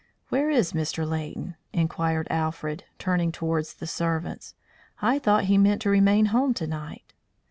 "Where is Mr. Leighton?" inquired Alfred, turning towards the servants. "I thought he meant to remain home to night."